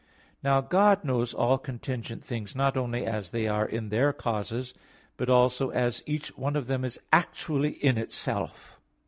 Now God knows all contingent things not only as they are in their causes, but also as each one of them is actually in itself.